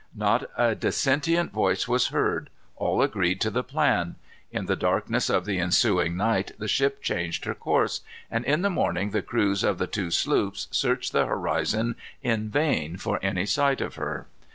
Not a dissentient voice was heard. All agreed to the plan. In the darkness of the ensuing night the ship changed her course, and in the morning the crews of the two sloops searched the horizon in vain for any sight of her.